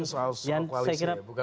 jadi soal kualisnya ya bukan soal bpjs